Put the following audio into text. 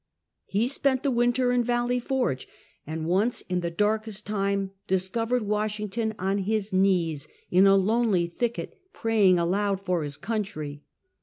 He spent tlie winter in Yalley Forge, and once, in the darkest time, discovered Washington on his knees in a lonely thicket, praying aloud for his country.